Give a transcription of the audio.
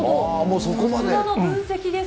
もう、そこまで。